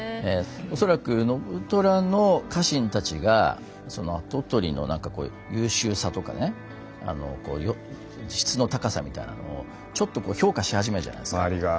恐らく信虎の家臣たちがその跡取りの優秀さとかね質の高さみたいなのをちょっと評価し始めるじゃないですか周りが。